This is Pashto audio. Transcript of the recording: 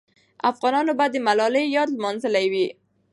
افغانانو به د ملالۍ یاد لمانځلی وي.